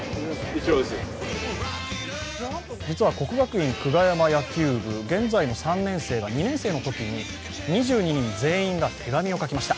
実は国学院久我山野球部現在の３年生が２年生のときに２２人全員が手紙を書きました。